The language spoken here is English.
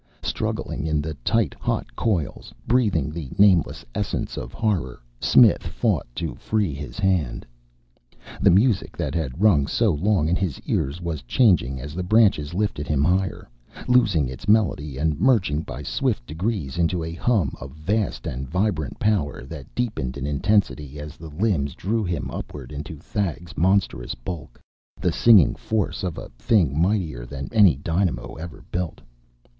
Struggling in the tight, hot coils, breathing the nameless essence of horror, Smith fought to free his hand. The music that had rung so long in his ears was changing as the branches lifted him higher, losing its melody and merging by swift degrees into a hum of vast and vibrant power that deepened in intensity as the limbs drew him upward into Thag's monstrous bulk, the singing force of a thing mightier than any dynamo ever built.